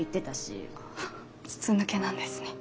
筒抜けなんですね。